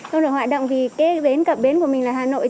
không được hoạt động vì kế đến cặp bến của mình là hà nội